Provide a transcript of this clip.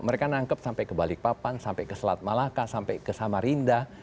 mereka nangkep sampai ke balikpapan sampai ke selat malaka sampai ke samarinda